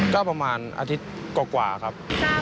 ก็ประมาณอาทิตย์กว่าครับ